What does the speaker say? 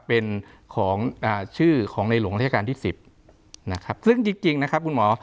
เป็นของอ่าชื่อของในหลวงราชการที่สิบนะครับซึ่งจริงจริงนะครับคุณหมอ